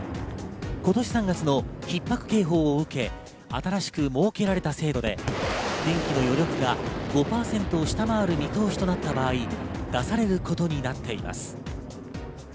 今年３月のひっ迫警報を受け、新しく設けられた制度で、電気の余力が５％を下回る見通しとなった場合、出されることになっています。